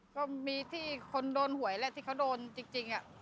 ก็มีที่คนโดนหวยแหละที่เขาโดนจริง